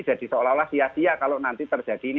jadi seolah olah sia sia kalau nanti terjadi ini